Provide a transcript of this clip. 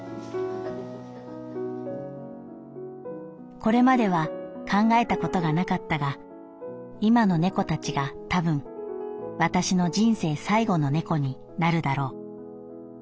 「これまでは考えたことがなかったが今の猫たちが多分私の人生最後の猫になるだろう。